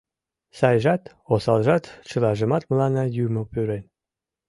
Сайжат, осалжат — чылажымат мыланна Юмо пӱрен.